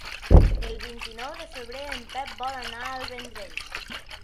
El vint-i-nou de febrer en Pep vol anar al Vendrell.